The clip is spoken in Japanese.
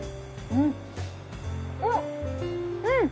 うん！